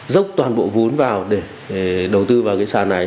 dốc toàn bộ vốn vào để đầu tư vào cái sàn này